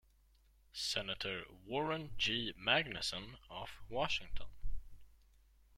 Senator Warren G. Magnuson of Washington.